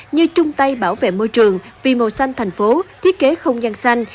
như chung tay bảo vệ môi trường vì màu xanh thành phố thiết kế không gian xanh